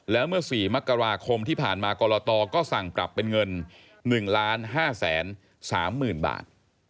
แล้วเมื่อ๔มกราคมที่ผ่านมากรตก็สั่งกลับเป็นเงิน๑ล้าน๕แสน๓หมื่นบาท